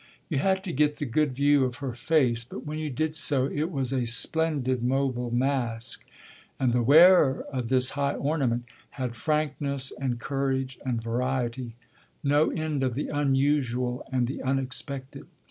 You had to get the good view of her face, but when you did so it was a splendid mobile mask. And the wearer of this high ornament had frankness and courage and variety no end of the unusual and the unexpected.